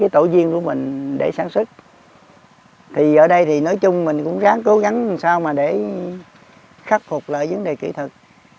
thì ở đây thì nói chung mình cũng ráng cố gắng làm sao mà để khắc phục lại vấn đề kỹ thuật